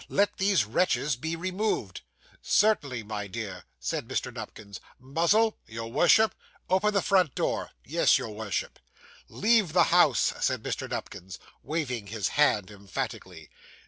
Let these wretches be removed.' 'Certainly, my dear,' Said Mr. Nupkins. 'Muzzle!' 'Your Worship.' 'Open the front door.' 'Yes, your Worship.' 'Leave the house!' said Mr. Nupkins, waving his hand emphatically.